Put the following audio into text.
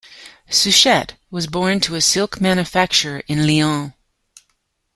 Suchet was born to a silk manufacturer in Lyon.